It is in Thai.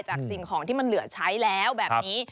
สิ่งของที่มันเหลือใช้แล้วแบบนี้